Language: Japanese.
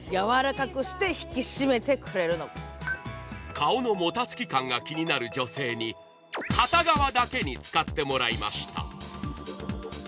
顔のもたつき感が気になる女性に片側だけに使ってもらいました。